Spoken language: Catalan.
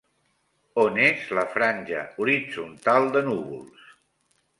On és la franja horitzontal de núvols?